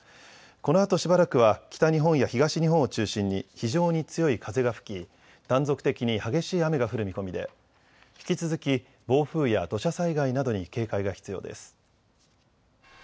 このあとしばらくは北日本や東日本を中心に、非常に強い風が吹き、断続的に激しい雨が降る見込みで、引き続き、暴風や土砂災害などに警戒が必要です。